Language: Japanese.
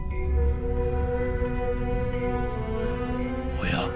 おや？